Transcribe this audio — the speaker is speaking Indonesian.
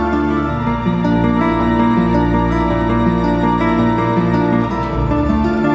kiri kiri aku tidur trabajar dunia memahami mu